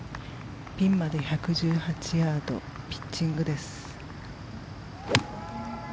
ピンまで１１８ヤードピッチングです。